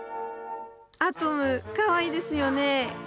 アトム、かわいいですよね。